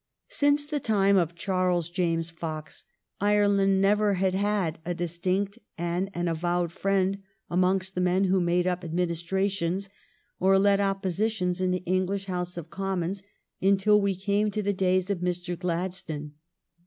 Since the time of Charles James Fox Ireland never had had a distinct and an avowed friend amongst the men who made up administrations or led oppositions in the English House of Commons until we came to the days of Mr. Gladstone.